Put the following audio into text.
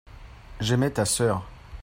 j'aimai ta sœur.